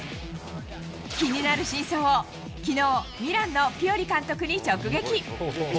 気になる真相を、きのう、ミランのピオリ監督に直撃。